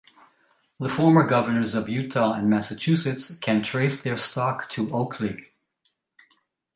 The former governors of Utah and Massachusetts can trace their stock to Oakley.